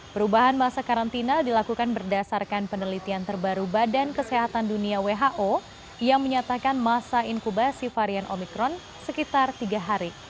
perubahan masa karantina dilakukan berdasarkan penelitian terbaru badan kesehatan dunia who yang menyatakan masa inkubasi varian omikron sekitar tiga hari